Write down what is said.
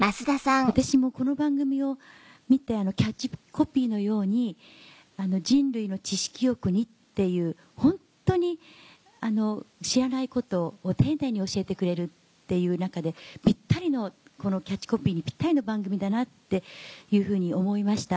私もこの番組を見てキャッチコピーのように「人類の知識欲に」っていうホントに知らないことを丁寧に教えてくれるっていう中でキャッチコピーにピッタリの番組だなっていうふうに思いました。